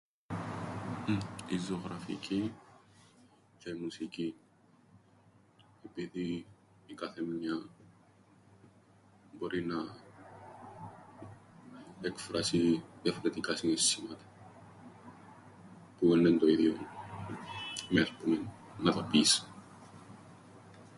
Η ζωγραφική, τζ̆αι η μουσική, επειδή... η κάθε μια μπορεί να... εκφράσει... διαφορετικά συναισθήματα. Που έννεν' το ίδιον, με ας πούμεν, να τα πεις.